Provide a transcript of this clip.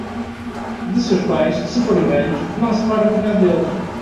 De seus pais, se forem velhos, não separe um punhado deles.